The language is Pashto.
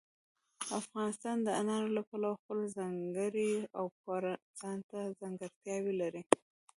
افغانستان د انارو له پلوه خپله ځانګړې او پوره ځانته ځانګړتیا لري.